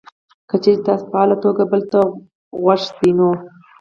که چېرې تاسې په فعاله توګه بل ته غوږ شئ نو: